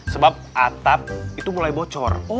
sebab atap itu mulai bocor